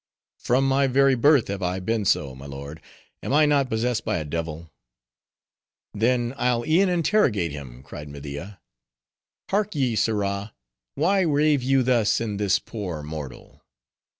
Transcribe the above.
"From my very birth have I been so, my lord; am I not possessed by a devil?" "Then I'll e'en interrogate him," cried Media. "—Hark ye, sirrah;— why rave you thus in this poor mortal?"